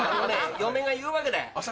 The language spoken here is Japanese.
嫁が言うわけだい。